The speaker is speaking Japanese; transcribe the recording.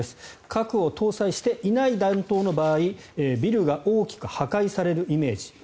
核を搭載していない弾頭の場合ビルが大きく破壊されるイメージ。